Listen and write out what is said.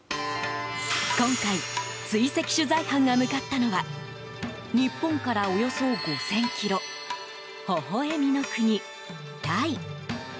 今回、追跡取材班が向かったのは日本からおよそ５０００ｋｍほほ笑みの国、タイ！